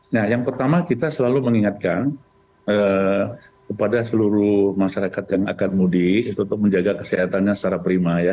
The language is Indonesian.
nah yang pertama kita selalu mengingatkan kepada seluruh masyarakat yang akan mudik untuk menjaga kesehatannya secara prima ya